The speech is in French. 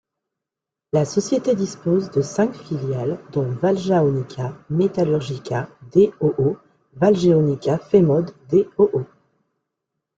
La société dispose de cinq filiales, dont Valjaonica Metalurgija d.o.o.. Valjaonica-Femod d.o.o.